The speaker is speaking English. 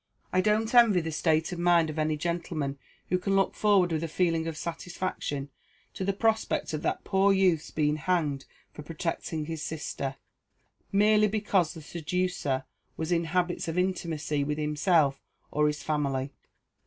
I don't envy the state of mind of any gentleman who can look forward with a feeling of satisfaction to the prospect of that poor youth's being hanged for protecting his sister, merely because the seducer was in habits of intimacy with himself or his family."